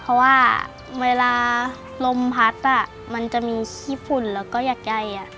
เพราะว่าเวลาลมพัดมันจะมีขี้ฝุ่นแล้วก็อยากใหญ่